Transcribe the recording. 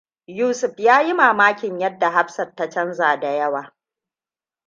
Yusuf ya yi mamakin yadda Hafsat ta canza da yawa.